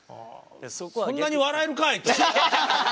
そんなに笑えるかいって。